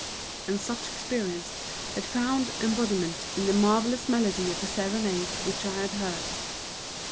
And such experience had found embodiment in the marvellous melody of the serenade which I had heard.